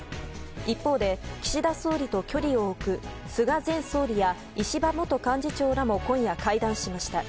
一方で岸田総理と距離を置く菅前総理や石破元幹事長らも今夜、会談しました。